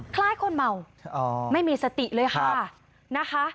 คล้ายคนเมาไม่มีสติเลยค่ะนะคะ